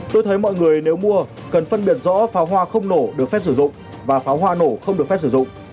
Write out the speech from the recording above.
tôi thấy mọi người nếu mua cần phân biệt rõ pháo hoa không nổ được phép sử dụng và pháo hoa nổ không được phép sử dụng